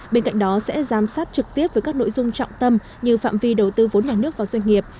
bên cạnh đó sẽ giám sát trực tiếp với các nội dung trọng tâm như phạm vi đầu tư vốn nhà nước vào doanh nghiệp